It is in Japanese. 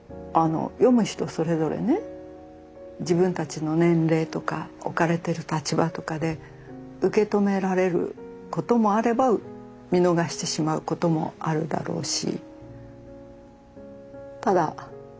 自分たちの年齢とか置かれてる立場とかで受け止められることもあれば見逃してしまうこともあるだろうし。